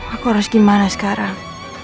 aku harus gimana sekarang